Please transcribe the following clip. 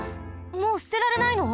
もうすてられないの？